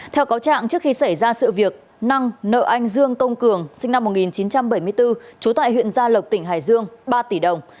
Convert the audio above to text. theo cáo trạng trước khi xảy ra sự việc năng nợ anh dương công cường sinh năm một nghìn chín trăm bảy mươi bốn trú tại huyện gia lộc tỉnh hải dương ba tỷ đồng